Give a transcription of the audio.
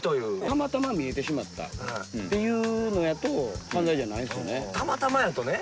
たまたま見えてしまったっていうのやと犯罪じゃないですよね？